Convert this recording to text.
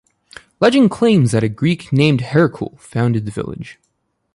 Legend claims that a Greek named Herkul founded the village.